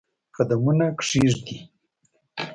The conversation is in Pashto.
قدمونه کښېږدي